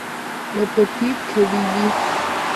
Le Petit-Quevilly